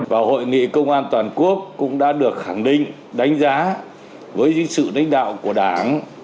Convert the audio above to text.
và hội nghị công an toàn quốc cũng đã được khẳng định đánh giá với sự đánh đạo của đảng